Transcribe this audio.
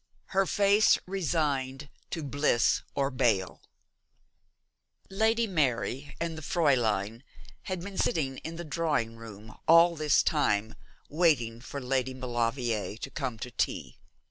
'HER FACE RESIGNED TO BLISS OR BALE.' Lady Mary and the Fräulein had been sitting in the drawing room all this time waiting for Lady Maulevrier to come to tea.